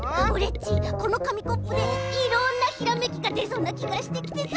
ちこのかみコップでいろんなひらめきがでそうなきがしてきてさ。